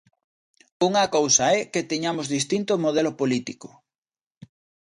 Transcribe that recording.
Unha cousa é que teñamos distinto modelo político.